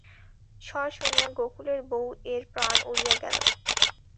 স্বর শুনিয়া গোকুলের বউ-এর প্রাণ উড়িয়া গেল।